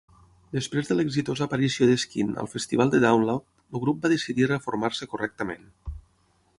Després de l'exitosa aparició de Skin al Festival de Download, el grup va decidir reformar-se correctament.